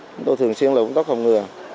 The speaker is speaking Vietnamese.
chúng tôi thường xuyên là công tác không ngừa